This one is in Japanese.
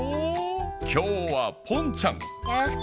今日はポンちゃん。